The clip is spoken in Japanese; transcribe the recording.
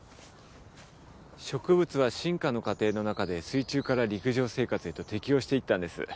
植物は進化の過程の中で水中から陸上生活へと適応していったんです。